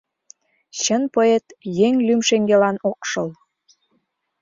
— Чын поэт еҥ лӱм шеҥгелан ок шыл.